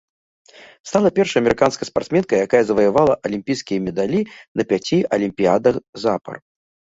Стала першай амерыканскай спартсменкай, якая заваявала алімпійскія медалі на пяці алімпіядах запар.